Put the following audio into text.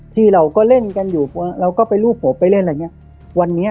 ที่เราก็เล่นกันอยู่เราก็ไปรูปผมไปเล่นอะไรอย่างเงี้ยวันนี้